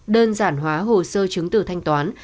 đơn giản hóa hồ sơ chứng từ thanh toán